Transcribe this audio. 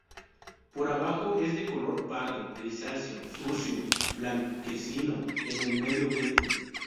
Por abajo es de color pardo grisáceo sucio, blanquecino en el medio vientre.